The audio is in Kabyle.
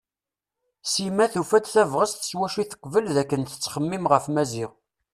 Sima tufa-d tabɣest s wacu i teqbel dakken tettxemmim ɣef Maziɣ.